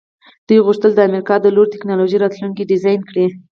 دوی غوښتل د امریکا د لوړې ټیکنالوژۍ راتلونکی ډیزاین کړي